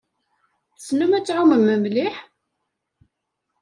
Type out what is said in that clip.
Tessnem ad tɛumem mliḥ?